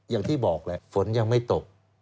อย่างที่บอกแหละฝนยังไม่ตก